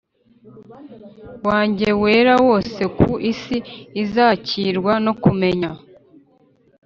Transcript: Wanjye Wera Wose Kuko Isi Izakwirwa No Kumenya